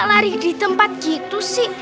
lari di tempat gitu sih